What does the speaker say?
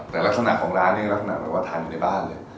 แต่ลักษณะนี้แหละว่าทานอยู่ในบ้าน